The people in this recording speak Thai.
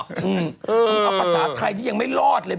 มันเอาภาษาไทยที่ยังไม่รอดเลย